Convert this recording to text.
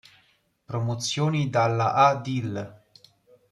Promozioni dalla A dil.